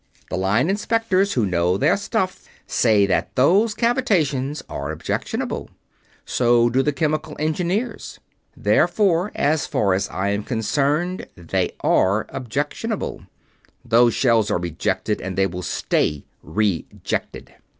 The Line Inspectors, who know their stuff, say that those cavitations are objectionable. So do the Chemical Engineers. Therefore, as far as I am concerned, they are objectionable. Those shell are rejected, and they will stay rejected."